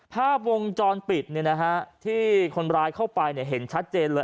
ภาพวงจรปิดที่คนร้ายเข้าไปเห็นชัดเจนเลย